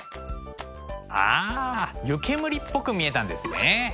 ああ湯煙っぽく見えたんですね。